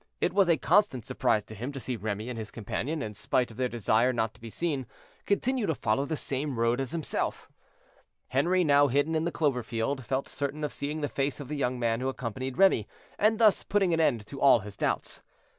It was a constant surprise to him to see Remy and his companion, in spite of their desire not to be seen, continue to follow the same road as himself. Henri, now hidden in the clover field, felt certain of seeing the face of the young man who accompanied Remy, and thus putting an end to all his doubts.